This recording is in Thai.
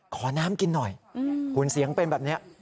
ขอน้ำกินหน่อยคุณเสียงเป็นแบบนี้